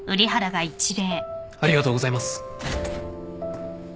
ありがとうございます。